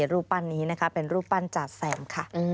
รูปปั้นนี้นะคะเป็นรูปปั้นจาแซมค่ะ